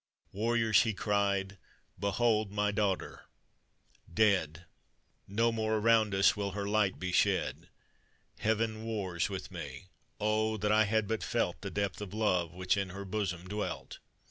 "Warriors!" he cried, "Behold my daugh ter— dead ! No more around us will her light be shed: Heaven wars with me; oh! that I had but felt The depth of love which in her bosom dwelt.